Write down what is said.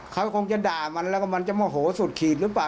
เขาคงจะด่ามันแล้วก็มันจะโมโหสุดขีดหรือเปล่า